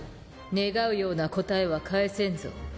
願うような答えは返せんぞ。